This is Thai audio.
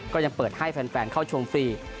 ก็ยังเปิดให้แฟนเข้าชมฟรี